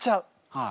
はい。